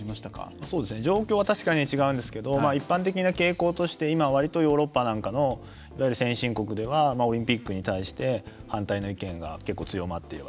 状況は確かに違うんですけど一般的な傾向として今、割とヨーロッパなんかのいわゆる先進国ではオリンピックに対して反対の意見が結構強まっていると。